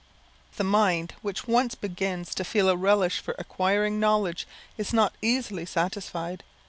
The mind which once begins to feel a relish for acquiring knowledge is not easily satisfied.